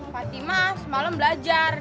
fatima semalam belajar